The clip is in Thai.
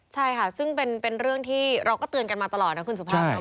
ใช่ค่ะซึ่งเป็นเรื่องที่เราก็เตือนกันมาตลอดนะคุณสุภาพนะ